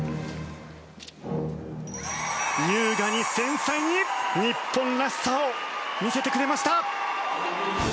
優雅に、繊細に日本らしさを見せてくれました！